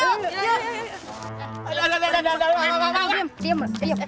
aduh aduh aduh mama mama